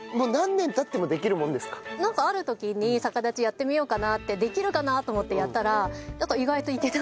なんかある時に逆立ちやってみようかなってできるかなと思ってやったらなんか意外といけた。